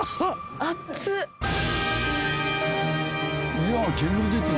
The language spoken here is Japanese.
いや煙出てる。